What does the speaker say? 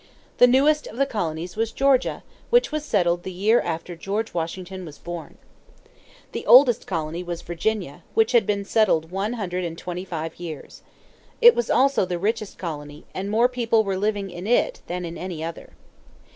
The newest of the colonies was Georgia, which was settled the year after George Washington was born. The oldest colony was Virginia, which had been settled one hundred and twenty five years. It was also the richest colony, and more people were living in it than in any other.